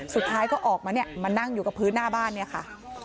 สุดท้ายก็ออกมาเนี่ยมานั่งอยู่กับพื้นหน้าบ้านเนี่ยค่ะ